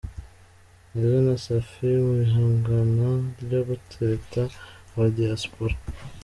Nizzo na Safi mu ihangana ryo gutereta aba Diaspora.